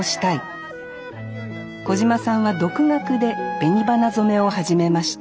小島さんは独学で紅花染めを始めました